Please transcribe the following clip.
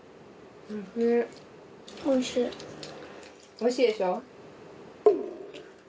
おいしいでしょ？